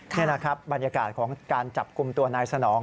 นี่นะครับบรรยากาศของการจับกลุ่มตัวนายสนอง